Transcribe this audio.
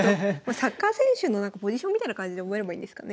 サッカー選手のポジションみたいな感じで覚えればいいんですかね？